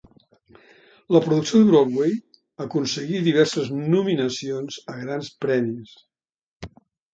La producció de Broadway aconseguí diverses nominacions a grans premis.